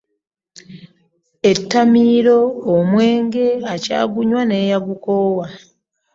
Ettamiiro , omwenge ,ekyagunya n'eyagukoowa .